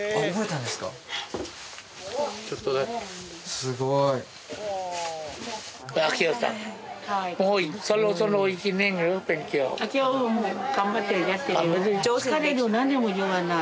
すごい疲れる何にも言わない